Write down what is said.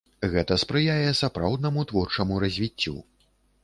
Гэта спрыяе сапраўднаму творчаму развіццю.